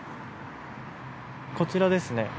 こちらですね。